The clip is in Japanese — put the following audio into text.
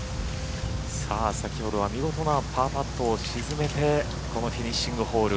先ほどは見事なパーパットを沈めてこのフィニッシングホール。